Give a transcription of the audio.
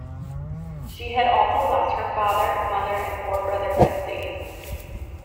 She had also lost her father, mother and four brothers at sea.